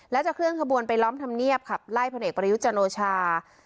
และจะเคลื่อนขบวนไปล้อมธรรมเนียบขับไล่พลเอกประยุทธ์จันโอชา